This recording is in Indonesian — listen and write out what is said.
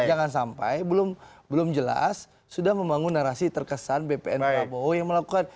jangan sampai belum jelas sudah membangun narasi terkesan bpn prabowo yang melakukan